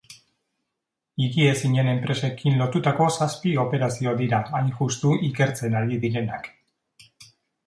Higiezinen enpresekin lotutako zazpi operazio dira, hain justu, ikertzen ari direnak.